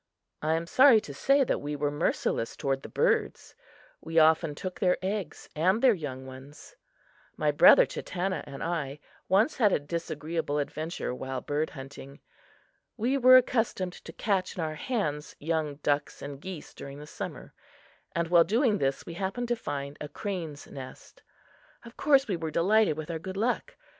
I am sorry to say that we were merciless toward the birds. We often took their eggs and their young ones. My brother Chatanna and I once had a disagreeable adventure while bird hunting. We were accustomed to catch in our hands young ducks and geese during the summer, and while doing this we happened to find a crane's nest. Of course, we were delighted with our good luck.